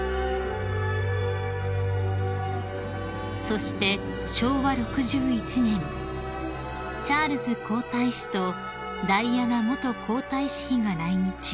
［そして昭和６１年チャールズ皇太子とダイアナ元皇太子妃が来日］